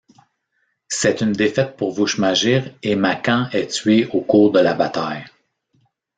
C'est une défaite pour Vushmagîr et Makan est tué au cours de la bataille.